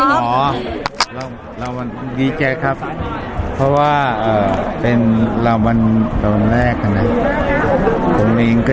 ขอราวันดีใจครึ๊ยครับเพราะว่าเป็นราววันในวันนั้นผมเองยังไม่หายดี